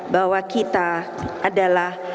bahwa kita adalah